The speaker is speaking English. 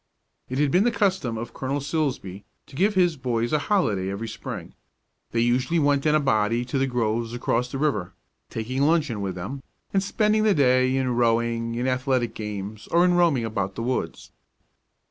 It had been the custom of Colonel Silsbee to give his boys a holiday every spring. They usually went in a body to the groves across the river, taking luncheon with them, and spending the day in rowing, in athletic games, or in roaming about the woods.